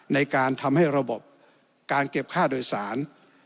ในการทำให้ระบบการเก็บค่าโดยสาร